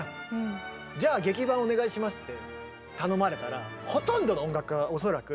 じゃあ劇伴お願いしますって頼まれたらほとんどの音楽家が恐らくこの。